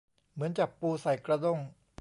เหมือนจับปูใส่กระด้ง